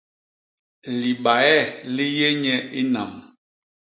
Libae li yé nye i nam.